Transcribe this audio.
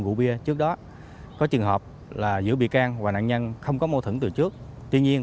gũ bia trước đó có trường hợp là giữa bị can và nạn nhân không có mâu thuẫn từ trước tuy nhiên